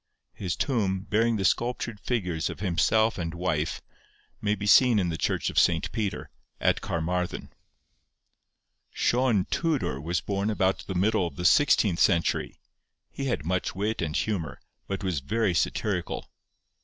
His tomb, bearing the sculptured figures of himself and wife, may be seen in the church of St. Peter, at Carmarthen. Sion Tudor was born about the middle of the sixteenth century. He had much wit and humour, but was very satirical.